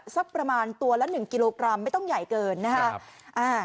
สักประมาณตัวละ๑กิโลกรัมไม่ต้องใหญ่เกินนะครับ